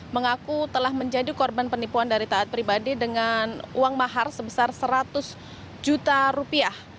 mengaku telah menjadi korban penipuan dari taat pribadi dengan uang mahar sebesar seratus juta rupiah